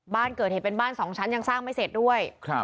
บ้านเกิดเหตุเป็นบ้าน๒ชั้นยังสร้างไม่เสร็จด้วย